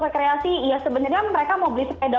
rekreasi ya sebenarnya mereka mau beli sepeda